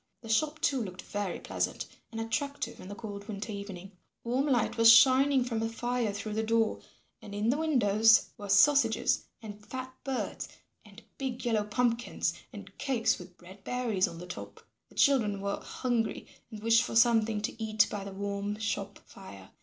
The shop, too, looked very pleasant and attractive in the cold winter evening. Warm light was shining from a fire through the door, and in the windows were sausages, and fat birds, and big yellow pumpkins and cakes with red berries on the top. The children were hungry and wished for something to eat by the warm shop fire.